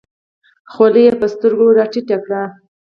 خولۍ یې په سترګو راټیټه کړه.